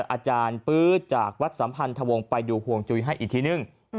อาจารย์ปื๊ดจากวัดสัมพันธวงศ์ไปดูห่วงจุยให้อีกทีนึง